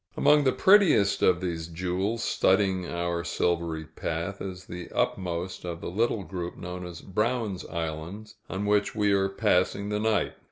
Among the prettiest of these jewels studding our silvery path, is the upmost of the little group known as Brown's Islands, on which we are passing the night.